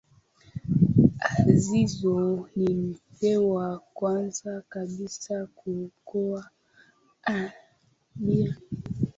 agizo lilipewa kwanza kabisa kuokoa abiria